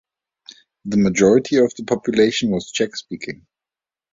The majority of the population was Czech-speaking.